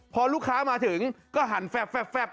พอลูกค้ามาถึงก็หั่นแฟบแฟบแฟบ